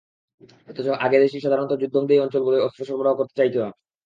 অথচ আগে দেশটি সাধারণত যুদ্ধংদেহী অঞ্চলগুলোয় অস্ত্র সরবরাহ করতে চাইত না।